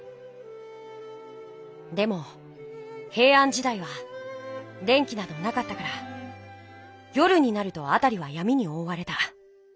でもへいあん時だいは電気などなかったから夜になるとあたりはやみにおおわれた。